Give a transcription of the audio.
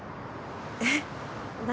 えっ？何？